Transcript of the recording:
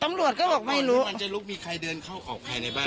ตำรวจก็บอกไม่รู้อันจะลุกมีใครเดินเข้าออกภายในบ้าน